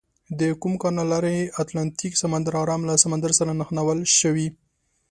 د کوم کانال له لارې اتلانتیک سمندر ارام له سمندر سره نښلول شوي؟